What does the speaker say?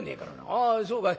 あそうかい。